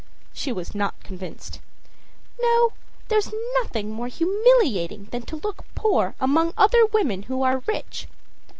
â She was not convinced. âNo; there's nothing more humiliating than to look poor among other women who are rich.